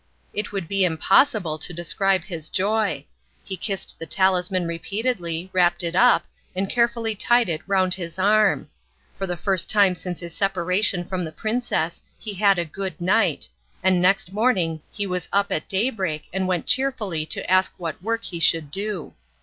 It would be impossible to describe his joy; he kissed the talisman repeatedly, wrapped it up, and carefully tied it round his arm. For the first time since his separation from the princess he had a good night, and next morning he was up at day break and went cheerfully to ask what work he should do.